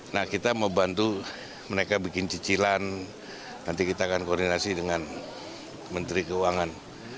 nah kita mau bantu mereka bikin cicilan nanti kita akan koordinasi dengan menteri keuangan